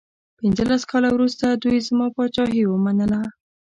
پنځلس کاله وروسته دوی زما پاچهي ومنله.